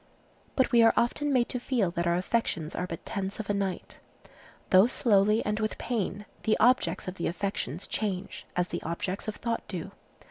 But we are often made to feel that our affections are but tents of a night. Though slowly and with pain, the objects of the affections change, as the objects of thought do.